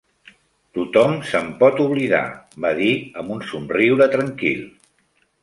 "Tothom se'n pot oblidar", va dir, amb un somriure tranquil.